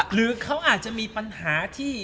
หรือเขาอาจจะมีปัญหาที่